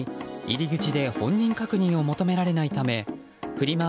入り口で本人確認を求められないためフリマ